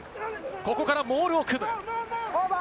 ここからモールを組む。